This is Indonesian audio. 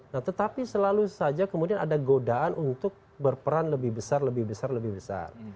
nah tetapi selalu saja kemudian ada godaan untuk berperan lebih besar lebih besar lebih besar